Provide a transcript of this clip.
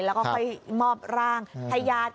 แล้วก็ค่อยมอบร่างให้ญาติ